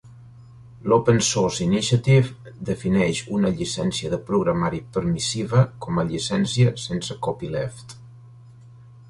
L'Open Source Initiative defineix una llicència de programari permissiva com a "llicència sense copyleft".